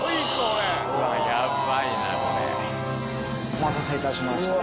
お待たせいたしました。